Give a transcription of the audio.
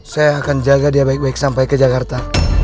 saya akan jaga dia baik baik sampai ke jakarta